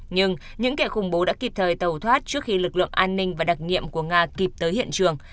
nhưng những kẻ khủng bố đã kịp thời tẩu thoát trước khi lực lượng an ninh và đặc nhiệm của nga kịp tới hiện trường